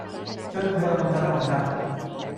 張檯有咁窄得咁窄